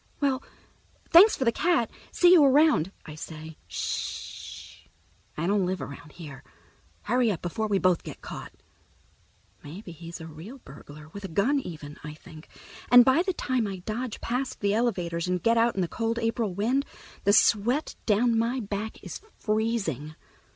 "Well, thanks for the cat. See you around," I say. "Sh h h. I don't live around here. Hurry up, before we both get caught." Maybe he's a real burglar with a gun, even, I think, and by the time I dodge past the elevators and get out in the cold April wind, the sweat down my back is freezing.